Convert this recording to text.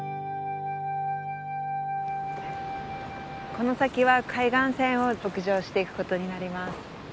この先は海岸線を北上していくことになります。